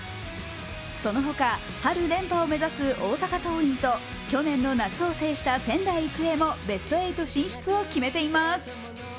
そのほか春連覇を目指す大阪桐蔭と昨年の夏を制した仙台育英もベスト８進出を決めています。